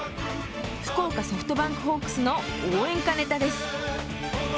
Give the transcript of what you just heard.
福岡ソフトバンクホークスの応援歌ネタです。